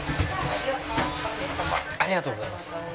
ありがとうございます。